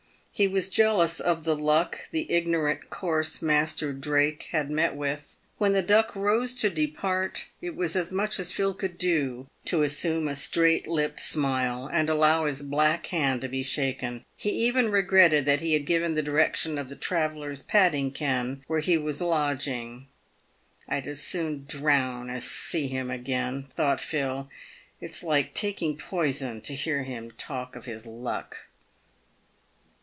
He was jealous of the luck the ignorant, coarse Master Drake had met with. "When the Duck rose to depart, it was as much as Phil could do to assume a straight lipped smile, and allow his black hand to be shaken. He even regretted that he had given the direction of the travellers' padding ken where he was lodging. " I'd as soon drown as see him again," thought Phil. " It's like taking poison to hear him talk of his luck."